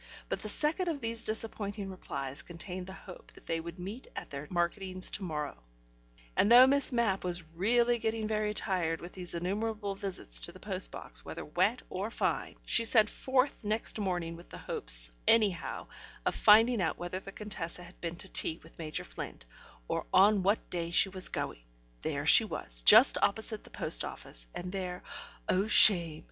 But the second of these disappointing replies contained the hope that they would meet at their marketings to morrow morning, and though poor Miss Mapp was really getting very tired with these innumerable visits to the post box, whether wet or fine, she set forth next morning with the hopes anyhow of finding out whether the Contessa had been to tea with Major Flint, or on what day she was going. ... There she was, just opposite the post office, and there oh, shame!